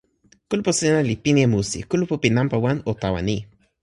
kulupu sina li pini e musi. kulupu pi nanpa wan o tawa ni.